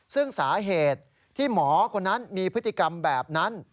ซึ่งสาเหตุที่หมอคนนั้นมีพฤติกรรมแบบนั้น